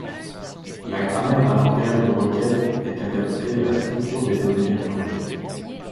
La grammaire d'un langage de requête est adaptée à la structure des données interrogées.